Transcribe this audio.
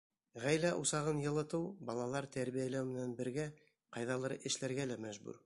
Ғаилә усағын йылытыу, балалар тәрбиәләү менән бергә, ҡайҙалыр эшләргә лә мәжбүр.